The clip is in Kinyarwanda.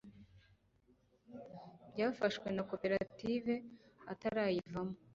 byafashwe na koperative atarayivamo